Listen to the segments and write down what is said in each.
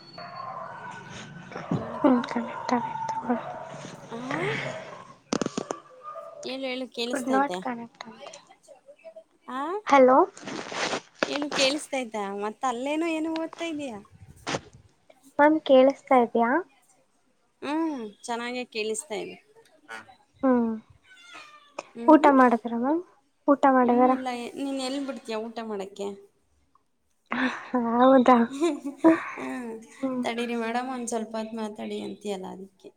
[inaudible] ಹೇಳಪ್ಪಾ ಇಕಟಾಗಿ ತಗ ಆ ಎ ಹೇಳು ಕೇಳಿಸತೈತೆ ಕನೆಕ್ಟ್ ಅಂತೆ ಹಾ ಹಲೋ ಏನು ಕೇಳಸ ತ ಇದತ ಮತ್ತ ಅಲ್ಲೇನ ಏನು ಓದ್ತಾ ಇದಯಾ ಮ್ಯಾಮ್ ಕೇಳಿಸತಾ ಇದ್ಯಾ ಹ್ಮ್ ಚೆನ್ನಾಗೇ ಕೇಳಿಸ್ತಾನೆ [inaudible] ಹ್ಞೂ ಹ್ಮ್ ಊಟ ಹ್ಮ್ ಮಾಡಿದ್ರ ಮ್ಯಾಮ್ ಊಟ ಹ್ಮನ್ನು ಮಾಡಿದಾರ ಇಲ್ಲ ನೀನ್ ಎಲ್ಲಿ ಬಿಡ್ತೀಯ ಊ ಊಟ ಮಾಡಕ್ಕೆ ಹೌದಾ ಹ್ಮ್ ಹ್ಞೂ ತಡೀರಿ ಮೇಡ್ಂತ ಸ್ವಲ್ಪತ್ ಮಾತಾಡಿ ಅಂತ ಅಲ್ಲ ಅದಕ್ಕೆ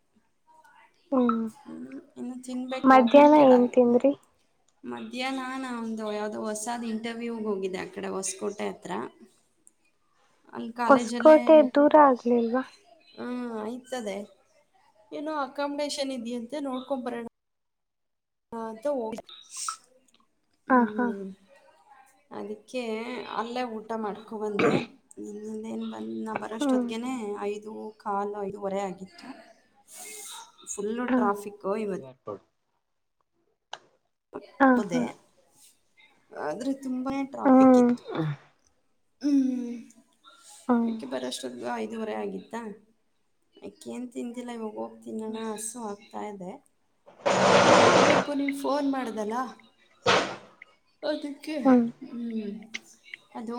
ಹ್ಞೂ ಹ್ಮ್ ಇನ್ನು ತಿನ್ಬೇಕ್ ಮಧ್ಯಾಹ್ನ ಹೋಗ್ಬೇಕಡ ಏನು ತಿಂದ್ರಿ ಮಧ್ಯಾಹ್ನ ನ ಒಂದು ಯಾವವು್ದೋ ಹೊಸಾದ್ ಇಂಟರ್ವ್ಯೂ ಹೋಗಿದ್ದೆ ಆ ಕಡೆ ಹೊಸಕೋಟೆ ಹತ್ರ [unintelligible] ಅಲ್ಲಿ ಕಾಲೇಜಲ್ಲೇ ಹೊಸಕೋಟೆ ದೂರ ಆಗ್ಲಿಲ್ವಾ ಹಾ ಆಯ್ತದೆ ಏನೋ ಅಕಾಮಿಡೇಶನ್ ಇದ ಅಂತೆ ನೋಡ್ಕೊ್ ಬರೋಣ ಹಾ ಹ್ಮ್ ಹಾಂ ಹಾಂ ಹ್ಮ್ ಅದಕ್ಕೆ ಅಲ್ಲೇ ಊಟ ಮಾಡ್ಕೊ ಬಂದೆ ೇನ್ ಬಂದ ನ ಹ್ಞೂ ಬರೋಷ್ಟೊದ್ಗನೆ ಐದು ಕಾಲು ಐದುವರೆ ಆಗಿತ್ತು ಫುಲ್ಲು ಹಾಂ ಟ್ರಾಫಿಕೋ ಇವತ್ತು ಹಾಂ ಅದೆೇ ಹಾಂ ಆದ್ರೆ ತುಂಬಾೇ ಟ್ರಾಫಿಕ್ ಹ್ಞೂ ಇತ್ತು ಹ್ಮ್್ಮ ಹ್ಞೂ ಅಕೆ ಬರಷ್ಟು ಆಯ್ತ ಇದುವರೆ ಆಗಿತ್ತಾ ಯಕೆಏನು ತಿಿಂದಿಲ್ಲ ಇವಾಗ ಹೋಗ್ತೀನಿ ನಣ ಹಸು ದೆ ಹೋಗ್ಬೇಕು ನೀವ್ ಫೋನ್ ಮಾಡ್ದಲ್ಲ ಅದಕ್ಕೆ ಹ್ಞೂ ಹ್ಮ್ ಅದು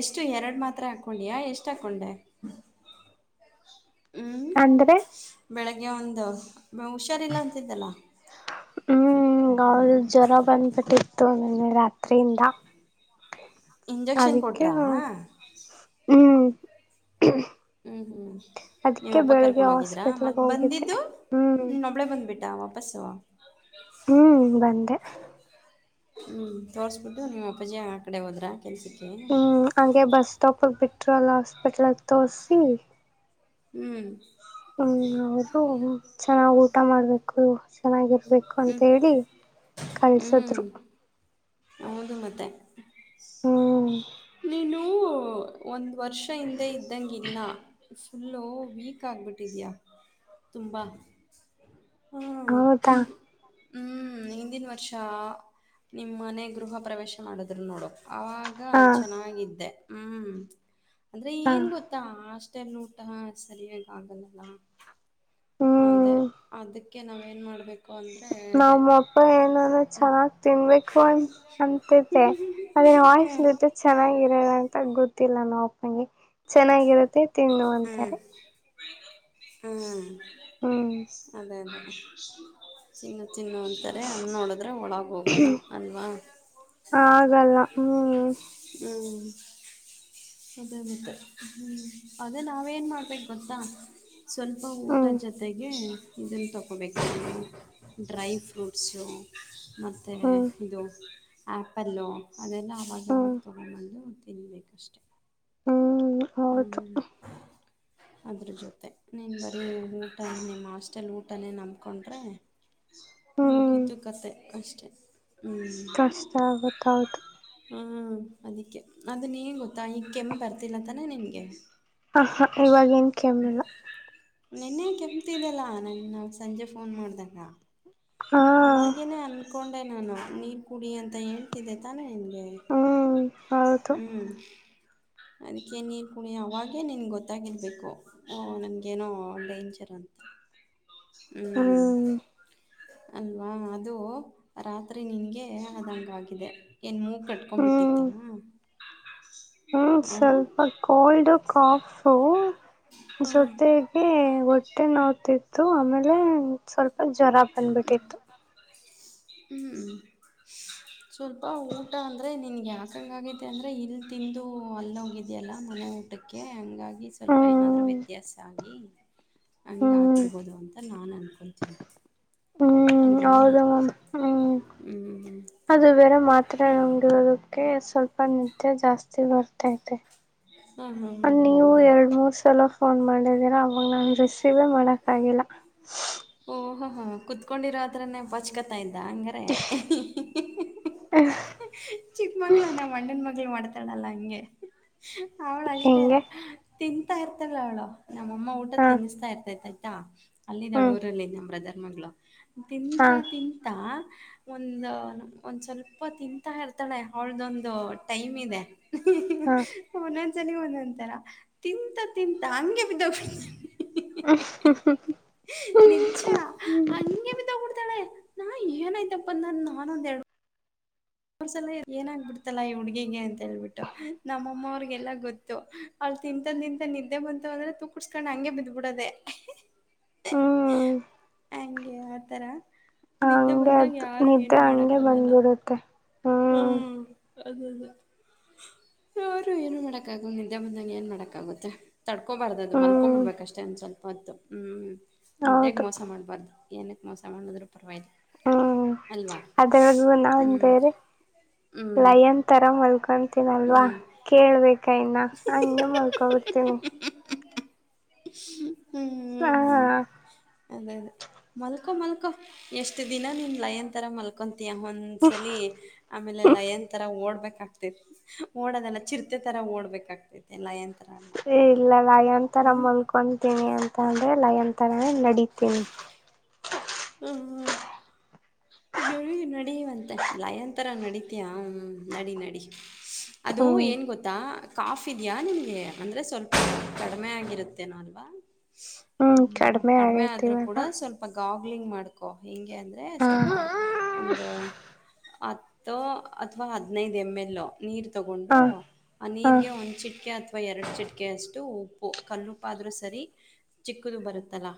ಎಷ್ಟು ಎರಡು ಮಾತ್ರೆ ಹಾಕ್ಕೊಂಡಿಯ ಎಷ್ಟು ಹಾಕ್ಕೊಂಡೆ ಅಂದ್ರೆ ಹನ್ನೊಂದು ಮ ಹುಷಾರಿಲ್ಲ ಅಂತಿದ್ದಲ್ಲ ಹ್ಞೂ ನ್ನೆ ರಾತ್ರಿಯಿಂದ ಇಂಜೆಕ್ಷನ್ ಅದಕ್ಕೆ ಕೊಟ್ರಾ ಹ್ಮ್ ಹ್ಮ್ ಹ್ಮ್ ನೀ್ ಅಪ್ಪ ಕರ್ಕೊಂಡ್ ಹೋಗಿದ್ರ ಹಾಸ್ಪಿಟ್ಲ್ಗೆ ಮತ್ ಹೋಗಿದ್ದೆ ಬಂದಿದ್ದು ಹ್ಞೂ ನೀನ್ನೊಬ್ಳೇ ಬಂದ್ಬಿಟ್ಟು ಡಾವ ಬಸ್ುವ ಹ್ಮ್ ಬಂದೆ ಹ್ಮ್ ತೋರ್ಸ್ಬಿಟ್ಟು ನಿಮ್ಮ್ ಅಪ್ಪಾಜಿ ಆ ಕಡೆ ಹೋದ್ರ ಹ್ಮ್ ಹಾಗೆ ಬಸ್ ಸ್ಟಾಪಗ ಬಿಟ್ರು ಅಲ್ಲ ಹಾಸ್ಪಿಟ್ಲ್ಗ್ ತೋಸಿ ಹ್ಮ್ ಹ್ಮ್ ಅವರು ಚೆನ್ನಾಗ್ ಊಟ ಮಾಡ್ಬೇಕು ಚೆನ್ನಾಗಿ ಬು ಹ್ಞೂ ಅಂತ ಹೇಳಿ ಹ್ಞೂ ಕಳ್ಸದ್ರು ಹೌದು ಮತ್ತೆ ಹ್ಮ್ ನೀನು ಒಂದು ವರ್ಷ ಹಿಂದೆ ಇದ್ದಂಗಿಲ್ಲ ಫುಲ್ಲು ವೀಕ್ ಆಗ್ಬಿಟ್ಟಿದೆಯಾ ತುಂಬ ಹ್ಮ ಹೌದಾ ಹ್ಮ್ ಹಿಂದಿನ ವರ್ಷ ನಿಮ್ಮ್ ಮನೆ ಗೃಹ ಪ್ರವೇಶ ಮಾಡಿದ್ರು ನೋಡು ಆಾಗ ಹಾ ಚೆನ್ನಾಗಿದ್ದೆ ಹ್ಮ್ ಅಂದ್ರೆ ಹಾ ಏನ್ ಗೊತ್ತಾ ಅಷ್ಟ ನೂಟಾ ಸರಿಯಾಗಿಾಗ ಆಗಲ್ಲಲ್ಲಾ ಅದೇ ಹ್ಮ್ ಅದಕ್ಕೆ ನಾವ್ ನ್ ಮಾಡ್ಬೇಕು ಅಂದ್ರೆ ಅದೇ ನಮ್ಮ ಅಪ್ಪ ಏನ ಅಂದ ಚೆನ್ನಾಗ್ ತಿನ್ಬೇಕು ಅನ್ ಅಂತೆ ಅದನ್ನ ಹ್ಮ್ ವಾಯ್ಸ್ಲಿಟ್ಟ ಚೆನ್ನಾಗಿರೋಣ ಅಂತ ಗೊತ್ತ ಗೊತ್ತಿಲ್ಲ ನಾ ಅಪ್ಪನಗೆ ಚೆನ್ನಾಗಿರುತ್ತೆ ತಿಂದು ಅಂತಾರೆ ಹ್ಮ ಹ್ಮ್ ಅದೇ ಅದೇ ತಿನ್ನು ಅಂತಾರೆ ಅನ್ ನೋಡದ್ರೆ ಒಳಗ ಹೋಗಲ್ಲ ಅಲ್ವಾ ಆಗಲ್ಲ ಹ್ಮ್ ಹ್ಮ್ ಅದ ಅದದ ಹ್ಮ್ ಅದೇ ನಾವೇನ್ ಮಾಡ್ಬೇಕ ಗೊತ್ತಾ ಸ್ವಲ್ಪ ಊಟದ ಹ್ಮ್ ಜೊತೆಗೆ ಇದನ್ನು ತಗೋಬೇಕೆ ಡ್ರೈ ಫ್ರೂಟ್ಸು ಮತ್ತು ಹ್ಮ್ ಇದು ಆ್ಯಪಲ್ಲು ಅದೆಲ್ಲ ಆಾಗವಾಗ ಹ್ಮ್ ತೊಗೊಂಬಂದು ತಿನ್ಬೇಕಷ್ಟೇ ಹ್ಮ್ ಹೌದು ಅದ್ರ ಜೊತೆ ನೀನು ಬರೀ ಊಟ ನಿಮ್ಮ ಆಸ್ಟೆಲ್ ಊಟನೇ ನಂಬಿಕೊಂಡ್ರೆ ಹ ಹ್ಮ್ ಕಿತ್ತು ಕತೆೆ ಅಷ್ಟೆ ಹ್ಞೂ ಕಷ್ಟಾವತದು ಹ್ಮ್ ಅದಕ್ಕೆ ಅದನ್ನೇನ್ ಗೊತ್ತಾ ಈ ಕೆಮ್ಮ್ ಬರ್ತಿಲ್ಲತಾನೇ ನಿಮಗೆ ಹ ಹಾ ಇವಾಗ ಏನ್ ಕೆಮ್ಮಣ ನಿನ್ನೆ ಕೆಮತಿದೆಲ್ಲಾ ನನ್ನ ಸಂಜೆ ಫೋನ್ ಮಾಡ್ದಾಗ ಹಾ ಅವಾಗೇನೆೇ ಅನ್ಕೊಂಡೆ ನಾನು ನೀರ್ ಕುಡಿ ಅಂತ ಹೇಳ್ತಿದ್ದೆ ತಾನೇ ಹ್ಮ್ ಹೌದು ಹ್ಮ್ ಅದಕ್ಕೆ ನೀರು ಕುಣಿಯ ಅವಾಗೇ ನಿನಗೆ ಗೊತ್ತಾಗಿರಬೇಕು ನನಗೇನೋ ಡೇಂಜರ್ ಅಂತ ಹ್ಮ್ ಅಲ್ವಾ ಅದು ರಾತ್ರಿ ನಿನ್ಗೆ ಆದಂಗ ಆಗಾಗಿದೆ ಏನು ಮೂಗ ಕಟ್ಕೊಬಿಟ್ಟಿತ್ತ ಹ್ಮ ಸ್ವಲ್ಪ ಕೋಲ್ಡ್ ಕಾಫು ಹಾಂ ಜೊತೆಗೆ ಹೊಟ್ಟೆ ನೋತಿತ್ತು ಆಮೇಲೆ ಸ್ವಲ್ಪ ಜ್ವರ ಬಂದ್ಬಿಟ್ಟಿತ್ತು ಹ್ಮ್ ಸ್ವಲ್ಪ ಊಟ ಅಂದ್ರೆ ನಿನ್ಗೆ ಯಾಕಂಗ ಆಗೈತಿ ಅಂದ್ರೆ ಇಲ್ ತಿಂದು ಅಲ್ಲ ಹೋಗಿದ್ಯಲ್ಲ ಮನ ಊಟಕ್ಕೆ ಹಂಗಾಗಿ ಸ್ವಲ್ಪ ಏನಾದ್ ಹ್ಮ್ ವ್ಯತ್ಯಾಸ ಆಗಿ ಹಂಗ ಹ್ಮ್ ಆಗಿರಬಹದು ಅಂತ ನಾನನ್ ಅ ಹ್ಮ್ ಅಲ್ವಾ ಹೌದು ಮ್ಯಾಮ್ ಹ್ಮ್ ಮಾತ್ರ ನಗಿರೋದಕ್ಕೆ ಸ್ವಲ್ಪ ನಿದೆ ಜಾಸ್ತಿ ಬರ್ತೈತೆ ಹಾ ಹಾ ಹಾ ನೀವು ಹೌದಾ ಎರಡು ಮೂರು ಸಲ ಫೋನ್ ಮಾಡಿದೀರ ಅವಾಗ ನಾನು ರಿಸೀವೇ ಮಾಡಕ ಆಗಲ್ಲ ಓ ಹ ಹ ಕುತ್ಕೊಂಡಿರೋದ್ರನೆ ಪಚ್ಕತಯಂತ ಅಂಗರ ಚಿಕ್ಕ ಮಕ್ಳನ ಮಂಡನ್ ಮಳ ಮಾಡ್ತಾಳಲ್ಲ ಹಂಗೆ ಅವಳ ಅಷ್ಟೇ ಹೆಂಗೆ ತಿನ್ಂತಾ ಇರ್ತಲ್ಲ ಅವಳು ನಮ್ಮಅಮ್ಮ ಊಟ ಹಾಂ ತಿನ್ನಿಸತಾ ಇರ್ತೈತಜ ಅಲ್ಲಿ ಹ್ಞೂ ನಡ ಊರಲ್ಲಿ ನಮ್ಮ ಬ್ರದರ್ ಮಗಳು ತಿಂತಾ ಹಾಂ ತಿಂತ ಒಂದ ಒಂದ್ ಸ್ವಲ್ಪ ತಿಂತಾ ಇರ್ತಾಳೆ ಅವಳ್ದೊಂದು ಟೈಮ್ ಇದೆ ಹಾ ಒಂದೊಂತರ ತಿಂತ ತಿಂತ ಹಂಗೆ ಬಿದ್ದೋಗತಿ ಹ ನಿಜ ಹಂಗೆ ಬಿ ತಗೊಡ್ತಾಳೆ ನಾ ಏನಾಯ್ತಪ್ಪಂದ ನಾನಂದ ಹೇಳುವ ಅವ್ರಸಲ ಏನ ಆಗಬಿಡ್ತಲ್ಲಾ ಈ ಹುಡ್ಗಿಗೆ ಅಂತ ಹೇಳ್ಬಿಟ್ಟು ನಮ್ಮಮ್ಮ ಅವ್ರಿಗೆಲ್ಲಾ ಗೊತ್ತು ತಿಂತ ತಿಂತ ನಿದ್ದೆ ಬಂತ ಅಂದ್ರೆ ತೂಕ ಕುಡಸ್ಕೊಂಡ್ ಹಂಗೆ ಬಿದ್ದ್ಬಿಡೋದೆೇ ಹ್ಮ ಹಂಗೆ ಆತರ ನಿದ್ದೆ ಹಂಗೆ ಬಂದಾಗ ಅದು ಯಾರು ನಿದ್ದೆ ಏನು ಮಾಡಕ್ ಹಂಗೆ ಆಗಲ್ಲ ಬಂದ್ಬಿಡುತ್ತೆ ಹ್ಞೂ ಹ್ಮ್ ಅದದ ಅವರು ಏನು ಮಾಡಕ ಆಗ ನಿದ್ದೆ ಬಂದಂ ಏನ್ ಮಾಡಕ ಆಾಗುತ್ತೆ ತಡ್ಕೊಬಾರ್ದ ಅದು ಹ್ಞೂ ಮಲ್ಕೊಂಬಿಡ್ಬೇಕಷ್ಟೇ ಒಂದು ಸ್ವಲ್ಪ ಹೊತ್ತು ಹ್ಮ್ ನಿದ್ದಾಗ ಹೌದು ಮೋಸ ಮಾಡ್ಬಾರ್ದು ನ ಮೋಸ ಮಾಡದರ ಪವಲ್ಲ ಹ್ಞೂ ಅಲ್ವಾ ಅದರಲ್ಲೂ ಹ್ಮ ನಾನು ಬೇರೆ ಲಯನ್ ತರ ಮಲ್ಕೊತೀನಲ್ವಾ ಹ್ಮ್ ಕೇಳ್ಬೇಕಾಯ್ತ ಅಂಡ ಮುಕೊ ಬಿರ್ತೀನಿ ಹ್ಮ ಹಾ ಅದೇ ಅದೇ ಮಲ್ಕೊ ಮಲ್ಕೊ ಎಷ್ಟು ದಿನ ನಿಮ ಲಯನ್ಂತರ ಮಲ್ಕೊ ಒಂದ್ಸಲಿ ಆಮೇಲೆಲ್ಲ ಏನ್ ತರ ಓಡ್ಬೇಕ ಆ ಓಡದೆಲ್ಲ ಚಿರ್ತೆ ತರ ಓಡ್ಬೇಕಾಗ್ತೈತೆ ಎಲ್ಲಾ ಎ ತರ ಮಲ್ಕೊತೀನಿ ಅಂತ ಅಂದ್ರೆ ಲಯನ್ ತರ ನಡತೀನಿ ಹ್ಮ ಹ್ಮ ಇನ್ನು ನಡೀವಂತೆ ಲಯನ್ ತರ ನಡಿತಯಾ ಹ ನಡಿ ನಡಿ ಅದು ಹ್ಞೂ ಏನ್ ಗೊತ್ತಾ ಕಾಫ ಇದ್ಯಾ ನಿಮಗೆ ಅಂದ್ರೆ ಸ್ವಲ್ಪ ಕಡಿಮೆ ಆಗಿರುತ್ತೇನೋ ಅಲ್ವಾ ಹ್ಮ್ ಕಡಿಮೆ ಆದ್ರೂ ಕೂಡ ಸ್ವಲ್ಪ ಗಾಗ್ಲಿಂಗ್ ಮಾಡ್ಕೊ ಹಿಂಗ ಅಂದ್ರೆ ಹಾ ಸ್ವಲ್ಪ ಒಂದು ಅಥವಾ ಹದಿನೈದು ಎಮ್ ಎಲ್ ನೀರು ತಗೊಂಡು ಹಾ ಆ ಹಾ ನೀರಿಗೆ ಒಂದುಚಿಟಕೆ ಅಥವಾ ಎರಡು ಚಿಟಕೆ ಅಷ್ಟು ಉಪ್ಪು ಕಲ್ಲುಪ್ಪಾದ್ರೂ ಸರಿ ಚಿಕ್ಕದು ಬರುತ್ತಲ್ಲ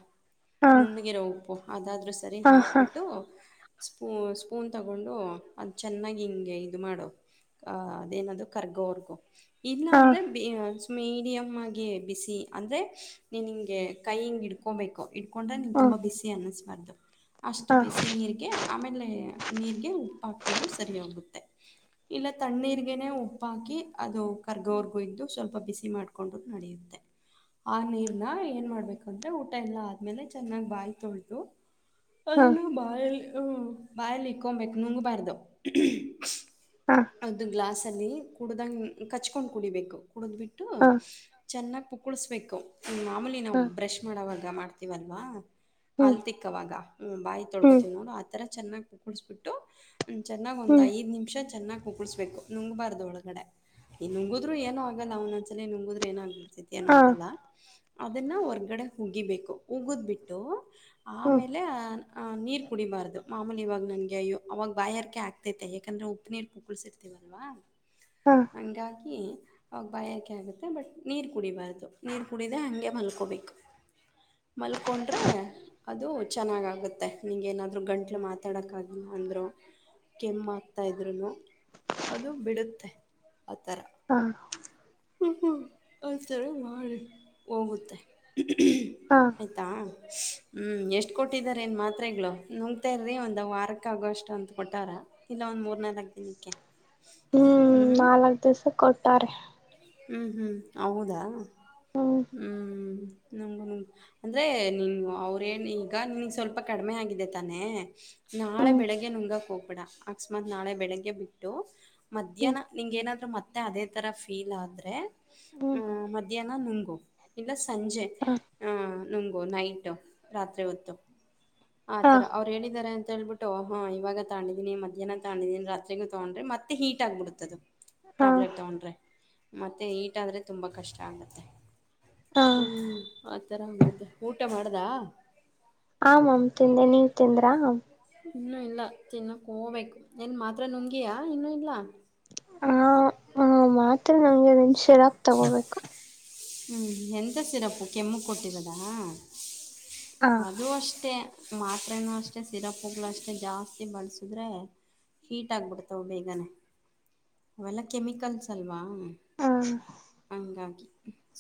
ಹಾ ನುಣ್ಣಗಿರ ಉಪ್ಪು ಅದಾದ್ರೂ ಸರಿ ಹಾ ಹಾ ಹಾಕ್ಬಿಟ್ಟು ಸ್ಪೂ ಸ್ಪೂನ್ ತಗೊಂಡು ಅದು ಚೆನ್ನಾಗಿ ಹಿಂಗೆ ಇದು ಮಾಡು ಅ ಅದೇನದು ಕರ್ಗೋವರ್ಗು ಇಲ್ಲಾ ಹಾ ಅಂದ್ರೆ ಮೀಡಿಯಮ್ ಆಗಿ ಬಿಸಿ ಅಂದ್ರೆ ನೀನು ಹಿಂಗೆ ಕೈ ಇಡ್ಕೋಬೇಕು ಕೊಂಡ್ರೆ ನೀ ಹ್ಮ ತುಂಬ ಬಿಸಿ ಅನ್ನಿಸಬಾರ್ದು ಅಷ್ಟು ಹಾ ಹಾ ಬಿಸಿ ನೀರಿಗೆ ಆಮೇಲೆ ನೀಗೆ ಉಪ್ಪ ಹಾಕದ್ರು ಸರಿಯೋಗುತ್ತೆ ಇಲ್ಲ ತಣ್ಣೀರ್ಗನೆೇ ಉಪ್ಪಾಕಿ ಅದು ಕರ್ಗವರ್ಗುಯ್ದು ಸ್ವಲ್ಪ ಬಿಸಿ ಮಾಡ್ಕೊಂಡು ನಡೆಯುತ್ತೆ ಆ ನೀರ್ನ ಏನ್ ಮಾಡ್ಬೇಕಂದ್ರೆ ಊಟ ಎಲ್ಲಾ ಆದ್ಮೇಲೆ ಚೆನ್ನಾಗ್ ಬಾಯಿ ತೊಳತು ಹಾ ಅಲ್ಲ ಬಾಯಲ್ ಹ್ಮ್ ಬಾಯಲ್ ಇಕ್ಕ ಬಕ್ಕನುಂಗ ಬಾರದ ಒಂದು ಗ್ಲಾಸ್ ಅಲ್ಲಿ ಕುಡ್ದಂಗ ಕಚ್ಕೊಂಡ್ ಕುಡಿಬೇಕು ಕುಡಿದ್ಬಿಟ್ಟು ಹಾ ಚೆನ್ನಾಗಿ ಪುಕ್ಕುಳಿಸ್ಬೇಕು ಮಾಮೂಲಿ ನಾವು ಹಾ ಬ್ರಷ್ ಮಾಡೋವಾಗ ಮಾಡ್ತವಲ್ವಾ ಹ್ಮ್ ಅಲ್ಕ್ಕವಾಗ ಬಾಯಿ ಹ್ಮ್ ತೊಳ್ಕೋತ ನೋ ಚೆನ್ನಾಗ ಕುಡಿಸ್ಬಿಟ್ಟು ಚೆನ್ನಾಗ್ ಒಂದ ಹ್ಮ್ ಐದು ನಿಮಿಷ ಚೆನ್ನಾಗ ಊಸ್ಬೇಕು ನುಂಗಬಾರ್ದು ಒಳಗಡೆ ಈ ನುಂಗುದ್ರರು ಏನನು ಆಗಲ್ಲ ಅವ್ನ ಅಚಲಲಿ ನಂಗುದ್ರೆ ಏನ ಆಗ್ಬಡ ಏನ ಹಾ ಆಗಲ್ಲ ಅದನ್ನ ಹೊರ್ಗಡೆ ಉಗಿಬೇಕು ಉಗುದ್ ಬಿಟ್ಟು ಹ್ಮ್ ಆಮೇಲೆ ಅಹ ನೀರ್ ಕುಡಿಡಾರ್ದ ಮಾಮೂಲಿ ಇವಾಗ ನನ್ಗೆ ಅಯ್ಯ ಅವಾಗ ಬಾಯಾರಕೆ ಆಗ್ತೈತೆ ಯಾಕಂದ್ರೆ ಉಪ್ಪು ನೀರು ಪೂಕುಳ್ಸಿರ್ತೇವಿ ಹಾ [unintelligible] ಹಾಕಿ ಅವಾಗ ಬಾಯಾಕೆ ಆಗುತ್ತೆ ಬಟ್ ನೀರು ಕುಡಿಬಾರ್ದು ನೀರು ಕುಡಿದ ಹಾಗಗೆ ಮಲ್ಕೋಬೇಕು ಮಲ್ಕೊಂಡ್ರೆ ಅದು ಚೆನ್ನಾಗಾಗುತ್ತೆ ನಿೇನಾದರೂ ಗಂಟ್ಲು ಮಾತಾಡೋಕ್ಕಾಗಿಲ್ಲ ಅಂದರು ಕೆಮ್ಮ ಆಕ್ತಾ ಇದ್ರುನು ಅದು ಬಿಡುತ್ತೆ ಆ ಥರ ಹಾ ಹ್ಞ ಹ್ಞ ಆಥರ ಮಾಡಿ ಹೋಗುತ್ತೆ ಹಾ ಆಯ್ತಾ ಹ್ಮ್ ಎಷ್ಟ್ ಕೊಟ್ಟಾರ ಏನ್ ಮಾತ್ರೆಗಳು ನುಂಗತಾ ಇರಿ ಒಂದ್ ವಾರಕ್ಕ ಆಗೋಷ್ಟ ಅಂತ ಕೊಟ್ಟಾರ ಇಲ್ಲ ಒಂದ್ ಮೂರ್ನಾಲ್ಕು ದಿನಕ್ಕೆ ಹ್ಮ್ ಹ್ಞೂ ನಾಲ್ಕ್ ದಿವ್ಸ ಕೊಟ್ಟಾರೆ ಹ್ಮಞ ಹ್ಮ್ ಹೌದಾ ಹ್ಮ್ ಹ್ಮ್ ನಂಗಗು ಅಂದ್ರೆ ನಿನ್ ಅವ್ರೇನ್ ಈಗ ನಿನ್ ಸ್ವಲ್ಪ ಕಡಿಮೆ ಆಗಿದೆ ತಾನೆ ನಾಳೆ ಹ್ಮ್ ಬೆಳಿಗ್ಗೆ ನುಂಗಕ್ ಹೋಗ್ಬಿಡ ಅಕಸ್ಮಾತ್ ನಾಳೆ ಬೆಳಿಗ್ಗೆ ಬಿಟ್ಟು ಹ್ಮ್ ಮಧ್ಯಾಹ್ನ ನಿಂಗ ಏನಾದ್ರು ಮತ್ತೆ ಅದೇ ತರ ಫೀಲ್ ಆದ್ರೆ ಹ್ಮ್ ಹ್ಮ ಮಧ್ಯಾಹ್ನ ನುಂಗು ಇಲ್ಲ ಸಂಜೆ ಹ ಹಹ್ ನಮಗು ನೈಟು ರಾತ್ರಿ ಹೊತ್ತು ಆ ಹಾ ಥರ ಅವ್ರು ಹೇಳಿದ್ದಾರೆ ಅಂತ ಅಂತ ಹೇಳ್ಬಿಟ್ಟು ಹಾ ಇವಾಗ ತಗೊಂಡಿದೀನ ಮ್ಯಾಹ್ನ ತಗೊಂಡೀನಿ ರಾತ್ರಿಗ ತಗೊಂಡ್ರೆ ಮತ್ತೆ ಹೀಟ್ ಆಗ್ಬಡತದು ಹಾ ಟ್ಯಾಬ್ಲೆಟ್ ತಗೊಂಡ್ರೆ ಮತ್ತೆ ಈಟಾದ್ರೆ ತುಂಬಾ ಕಷ್ಟ ಆಗತ್ತೆ ಹಾ ಹ್ಮ್ ಆತರ ಆಗುತ್ತೆ ಊಟ ಮಾಡ್ದಾ ಆಮಾಮ್ ತಿಂದೆ ನೀವ್ ತಿಂದ್ರಾ ಇನ್ನೂ ಇಲ್ಲ ತಿನ್ನಕ್ಕೆ ಹೋಗ್ಬೇಕು ಏನು ಮಾತ್ರ ನುಂಗಿಯ ಇನ್ನೂ ಇಲ್ಲ ಹ ಮಾತ್ ನಂಗೆ ನಿನ್ ಶಿರಾಕ್ ತಗೋಬೇಕು ಹ್ಞ ಎಂಥ ಸಿರಪ್ಪು ಕೆಮ್ಮು ಕೊಟ್ಟರದಾ ಹ ಅದುೂ ಅಷ್ಟೇ ಮಾತ್ರೆ ನು ಅಷ್ಟೇ ಸಿರಪ್ಗ್ಗಳು ಅಷ್ಟೆ ಜಾಸ್ತಿ ಬಳಸಿದ್ರೆ ಹೀಟ್ ಆಗ್ಬಿಡ್ತಾವ ಬೇಗನೆ ಅವೆಲ್ಲ ಕೆಮಿಕಲ್ಸ್ ಅಲ್ವಾ ಹ ಹಂಗಾಗಿ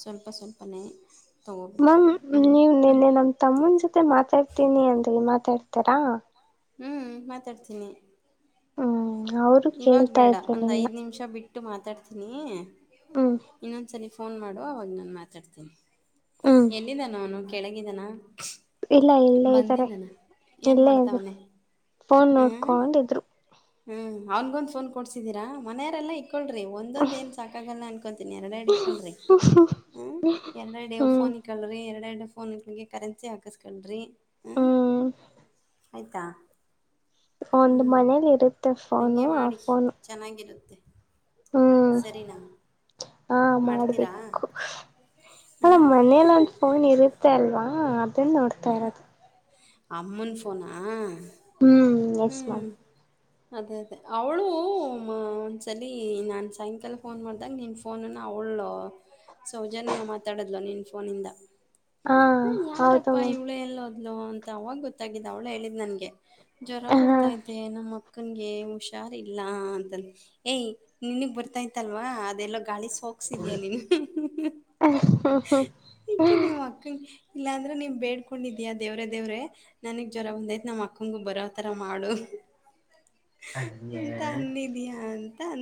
ಸ್ವಲ್ಪ ಸ್ವಲ್ಪನೇ ತಗೋಬೇಕು ಮ್ಯಾಮ್ ಹ್ಞೂ ನೀವ್ ಹ್ಞೂ ನಿನ್ನೆ ನಮ್ ತಮ್ಮನ ಜೊತೆ ಮಾತಾಡ್ತೀನಿ ಅಂದೆ ಮಾತಾಡ್ತಾರಾ ಹ್ಮ್ ಮಾತಾಡ್ತೀನಿ ಹ್ಮ್ ಅವರು ಇವಾಗ ಕೇಳ್ತಾ ಬೇಡ ಇದ್ರು ಒಂದು ನಿಮ್ನ್ನ ಐದು ನಿಮಿಷ ಬಿಟ್ಟು ಮಾತಾಡ್ತೀನಿ ಇನ್ನೊಂದ್ಸಲ ಫೋನ್ ಮಾಡು ಅವಾಗ ನಾನು ಮಾತಾಡ್ತೀನಿ ಹ್ಮ್ ಎಂದಿದಾನ ಅವನು ಕೆಳಗಿದಾನ ಇಲ್ಲ ಇಲ್ಲೇ ಇದ್ದಾರೆ ಏನು ಜಿರಳೆ ಅವು ಮಾಡ್ತಾವನೆ ಫೋನ್ ನೋಡ್ಕೊಂಡಿದ್ರು. ಹ್ಮ್ ಅವನ್ಗೊಂದು ಫೋನ್ ಕೊಡ್ಸಿದ್ದೀರಾ ಮನೆಯವರೆಲ್ಲ ಇಕ್ಕೊಳ್ರಿ ಒಂದೊಂದ್ ಏನ್ ಸಾಕಾಗಲ್ಲ ಅನ್. ಇವತ್ತು ಎರೆಡುಎರೆಡು ಇಕ್ಕಳ್ರಿ ಹ್ಮ ಎರೆಡು ಎರೇಡು ಹ್ಮ್ ಫೋನ್ ಇಕ್ಕಳ್ರೀ ಎರಡು ಈ ಫೋನಿಗೂ ಈ ಕರೆನ್ಸಿ ಹಾಕಿಸಿಕೊಳ್ರಿ. ಹ್ಮ್ ಆಯತಾ ಒಂದ್ ಮನೇಲಿ ಇರುತ್ತ ಪ ಹಂಗೆ ಮಾಡಿ ಚೆನ್ನಾಗಿರುತ್ತೆ. ಹ್ಮ್ ಸರಿನಾ ಹಾ ಮಾಡ್ತೀರಾ ಮಾಡ್ಬೇಕು ಹಾ ಹಾಂ ಮನೇೆನಲ್ಲಿ ಫೋನ್ ಇರುತ್ತೆ ಅಲ್ವಾ. ತು ಮಾಡ್ತಾ ಇರೋದು. ಅಮ್ಮನ್ ಪೋನ್ ಹ ಹ್ಮ್ ಎಸ್ ಮ್ಯಾಮ್ ಹ್ಮ್. ಅದೇ ಅದೇ ಅವಳು ಒಂದ್ಸಲಿ ನಾನು ಸಾಯಂಕಾಲ ಫೋನ್ ಮಾಡಿದಾಗ ನಿನ್ನ ಫೋನನ್ನು ಅವಳು ಹಲೋ ಸೌಜನ್ಯ ಮಾತಾಡದ್ಲ ನಿನ್ ಫೋನಿಂದ. ಹಾ ಹೌದು ಅಪ್ಪ ಇವಳು ಎಲ್ಲೋದ್ಲು ಅಂತ ಅವಾಗ ಗೊತ್ತಾಗಿದ್ದು ಅವ್ಳು ಹೇಳಿದ್ ನನ್ಗೆ. ಜ್ವರ ಮ್ಯಾಮ್ ಹ ಬರ್ತಾ ಇದ್ದೆ ನಮ್ಮ ಅಕ್ಕನ್ಗೆ ಹುಷಾರ್ ಇಲ್ಲ ಅಂತ ಏಯ್ ನಿನಗೆ ಬರ್ತಾ ಇತ್ತಲ್ವಾ. ಅದೆಲ್ಲ ಗಾಳಿ ಸೋಗುಸಿದಿಯ ನೀನು, ಹ್ಮ ಈಕೆ ನಿಮ್ಮ್ ಅಕ್ಕನ್ ಇಲ್ಲಾಂದ್ರೆ ನಿಮ್ ಬೇಡ್ಕೊಂಡಿದಿಯ ದೇವ್ರೇ ದೇವ್ರೆ ನನಗ್ ಜ್ವರ ಒಂದೈತ್ ನಮ್ ಅಕ್ಕಂಗು ಬರೋತರ ಮಾಡು. ಅನ್ನೇ ಅಂತ ಅಂದಿದೀಯ ಅಂತ ಅ